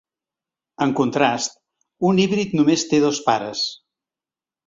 En contrast, un hibrid només té dos pares.